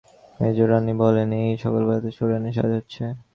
মেজোরানী, বললেন, এই সকালবেলাতেই ছোটোরানীর সাজ হচ্ছে!